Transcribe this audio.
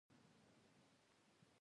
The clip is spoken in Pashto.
سریش رینا په شل آورونو کښي مشهور وو.